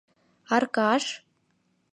— Аркаш!..